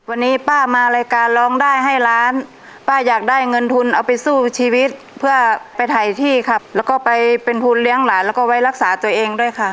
วันนี้ป้ามารายการร้องได้ให้ล้านป้าอยากได้เงินทุนเอาไปสู้ชีวิตเพื่อไปถ่ายที่ครับแล้วก็ไปเป็นทุนเลี้ยงหลานแล้วก็ไว้รักษาตัวเองด้วยค่ะ